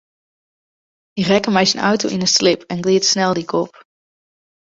Hy rekke mei syn auto yn in slip en glied de sneldyk op.